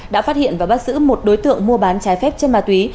đã phát hiện và bắt giữ một đối tượng mua bán trái phép chân ma túy